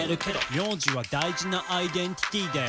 「名字は大事なアイデンティティだよ」